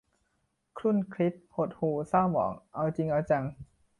ครุ่นคิด หดหู่เศร้าหมอง เอาจริงเอาจัง